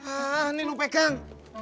ini lu pegang